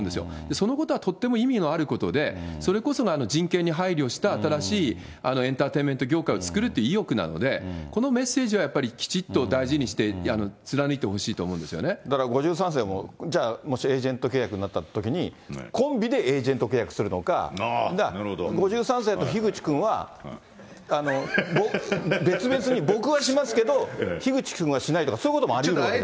そのことはとっても意味のあることで、それこそが人権に配慮した、新しいエンターテインメント業界を作るという意欲なので、このメッセージはやっぱり、きちっと大事して、貫いてほしいと思だから５３世も、じゃあもしエージェント契約になったときに、コンビでエージェント契約するのか、５３世と樋口君は、別々に、僕はしますけど、ひぐち君はしないとか、そういうこともありうるわけじゃん。